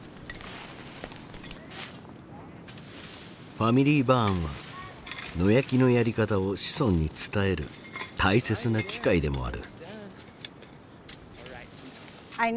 ＦａｍｉｌｙＢｕｒｎは野焼きのやり方を子孫に伝える大切な機会でもある。